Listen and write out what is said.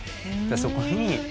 そこに。